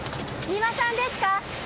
三輪さんですか！？